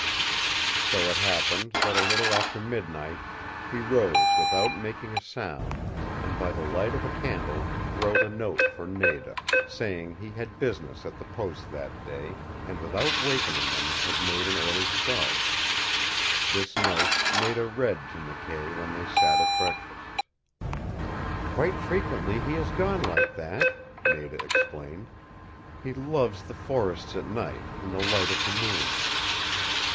So it happened that a little after midnight he rose without making a sound, and by the light of a candle wrote a note for Nada, saying he had business at the post that day, and without wakening them had made an early start. This note Nada read to McKay when they sat at breakfast. "Quite frequently he has gone like that," Nada explained. "He loves the forests at night in the light of the moon."